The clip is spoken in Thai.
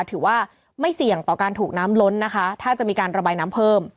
ถือว่าไม่เสี่ยงต่อการถูกน้ำล้นนะคะถ้าจะมีการระบายน้ำเพิ่ม